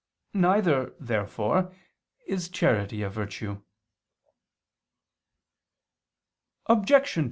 Neither, therefore, is charity a virtue.